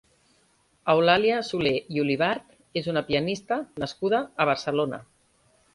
Eulàlia Solé i Olivart és una pianista nascuda a Barcelona.